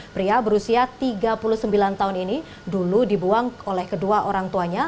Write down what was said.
pria berusia tiga puluh sembilan tahun ini dulu dibuang oleh kedua orang tuanya